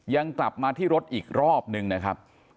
ยังกลับมาที่รถอีกรอบนึงนะครับ